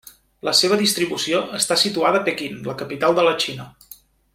La seva distribució està situada a Pequín, la capital de la Xina.